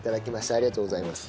ありがとうございます。